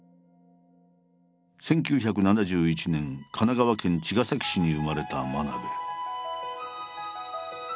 １９７１年神奈川県茅ヶ崎市に生まれた真鍋。